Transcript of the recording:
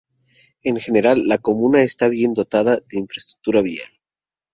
En general la comuna está bien dotada de infraestructura vial.